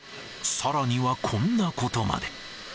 さらにはこんなことまで。